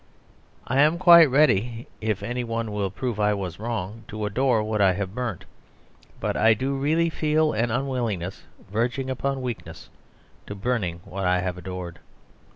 I am quite ready, if anyone will prove I was wrong, to adore what I have burnt; but I do really feel an unwillingness verging upon weakness to burning what I have adored.